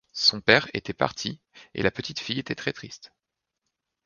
Son père était parti et la petite fille était très triste.